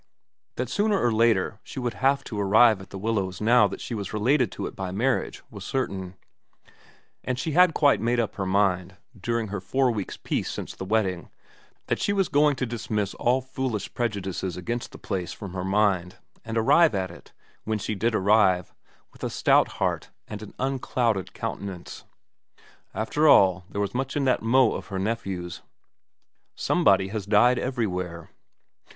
That sooner or later she would have to arrive at The Willows now that she was related to it by marriage was certain, and she had quite made up her mind, during her four weeks' peace since the wedding, that she was going to dismiss all foolish prejudices against the place from her mind and arrive at it, when she did arrive, with a stout heart and an unclouded countenance. After all, there was much in that mot of her nephew's :* Somebody has died everywhere.'